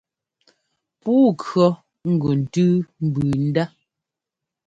Puu kʉɔ gʉ ntʉ́u mbʉʉ ndá.